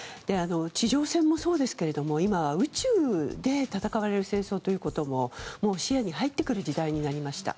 地上戦もそうですけれども今、宇宙で戦われる戦争ということももう視野に入ってくる時代になりました。